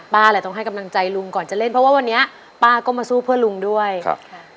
แหละต้องให้กำลังใจลุงก่อนจะเล่นเพราะว่าวันนี้ป้าก็มาสู้เพื่อลุงด้วยครับค่ะ